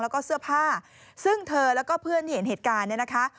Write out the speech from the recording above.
แล้วก็เสื้อผ้าซึ่งเธอแล้วก็เพื่อนที่เห็นเหตุการณ์เนี่ยนะคะ